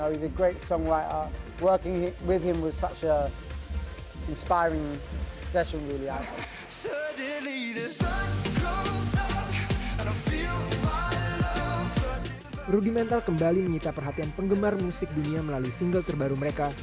rudimental kembali mengita perhatian penggemar musik dunia melalui single terbaru mereka